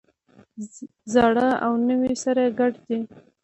زاړه او نوي سره ګډ دي.